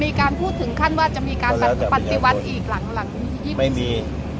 มีการพูดถึงขั้นว่าจะมีการปฏิวัติอีกหลังที่ไม่มี